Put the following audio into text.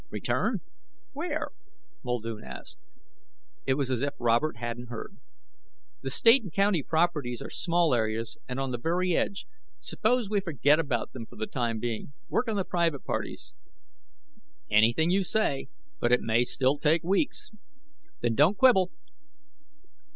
"Return? Where?" Muldoon asked. It was as if Robert hadn't heard. "The State and County properties are small areas, and on the very edge. Suppose we forget about them for the time being. Work on the private parties." "Anything you say. But it may still take weeks." "Then don't quibble.